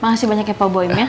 makasih banyak ya om boim ya